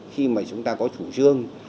khi mà chúng ta có chủ trương